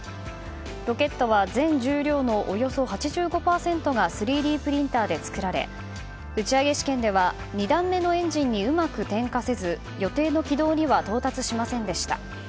ロケットは全重量のおよそ８５％が３Ｄプリンターで作られ打ち上げ試験では２段目のエンジンにうまく点火せず予定の軌道には到達しませんでした。